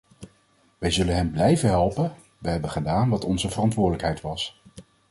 Wij zullen hen blijven helpen, wij hebben gedaan wat onze verantwoordelijkheid was.